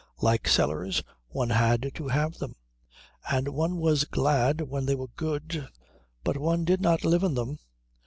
Like cellars, one had to have them, and one was glad when they were good, but one did not live in them.